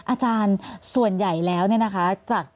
อาจารย์ส่วนใหญ่แล้วนะคะ